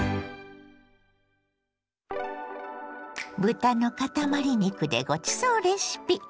豚のかたまり肉でごちそうレシピ。